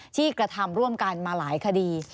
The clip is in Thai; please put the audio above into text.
กระทำร่วมกันมาหลายคดี